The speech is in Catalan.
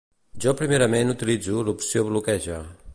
Jo primerament utilitzo l'opció Bloqueja.